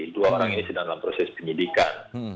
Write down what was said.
dua orang ini sedang dalam proses penyidikan